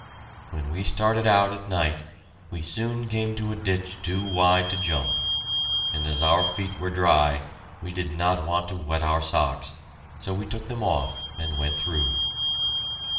When we started out at night, we soon came to a ditch too wide to jump, and as our feet were dry we did not want to wet our socks, so took them off and went through.